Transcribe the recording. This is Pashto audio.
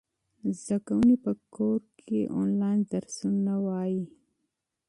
زده کوونکي په کور کې آنلاین درسونه لولي.